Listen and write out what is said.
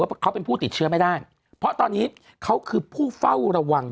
เพราะเขาเป็นผู้ติดเชื้อไม่ได้เพราะตอนนี้เขาคือผู้เฝ้าระวัง